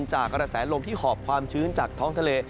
กระแสลมที่หอบความชื้นจากท้องทะเล